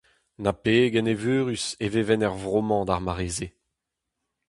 Na pegen eürus e vevent er vro-mañ d'ar mare-se !